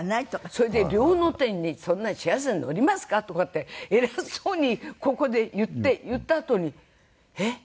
それで「両の手にねそんな幸せはのりますか？」とかって偉そうにここで言って言ったあとにえっ？